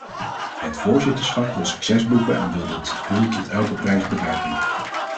Het voorzitterschap wil succes boeken en wil dit doel tot elke prijs bereiken.